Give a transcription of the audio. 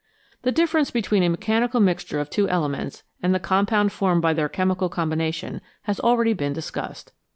The difference between a mechanical mixture of two elements and the compound formed by their chemical combination has already been discussed.